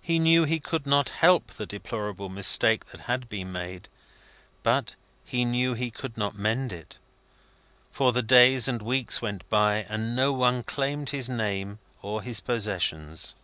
He knew he could not help the deplorable mistake that had been made, but he knew he could not mend it; for the days and weeks went by, and no one claimed his name or his possessions.